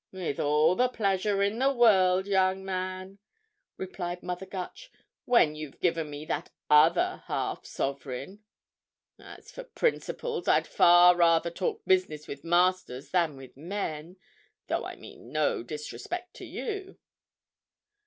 "With all the pleasure in the world, young man," replied Mother Gutch; "when you've given me that other half sovereign. As for principals, I'd far rather talk business with masters than with men—though I mean no disrespect to you."